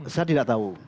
saya tidak tahu